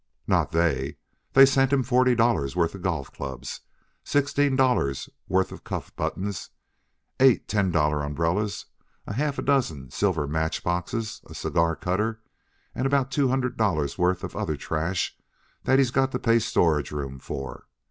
Not they. They sent him forty dollars' worth of golf clubs, sixteen dollars' worth of cuff buttons, eight ten dollar umbrellas, a half dozen silver match boxes, a cigar cutter, and about two hundred dollars' worth of other trash that he's got to pay storage room for.